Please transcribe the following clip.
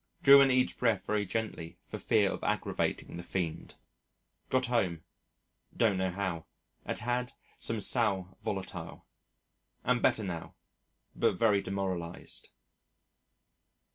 Drew in each breath very gently for fear of aggravating the fiend. Got home (don't know how) and had some sal volatile. Am better now but very demoralised.